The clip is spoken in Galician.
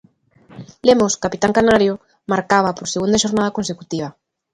Lemos, capitán canario, marcaba por segunda xornada consecutiva.